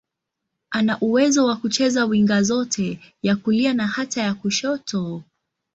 Ana uwezo wa kucheza winga zote, ya kulia na hata ya kushoto.